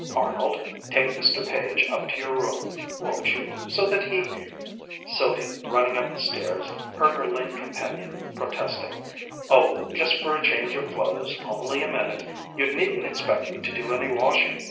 Arnold, take Mr. Page up to your room, won't you, so that he " Sylvia, running up the stairs, heard her late companion protesting: "Oh, just for a change of clothes, only a minute you needn't expect me to do any washing.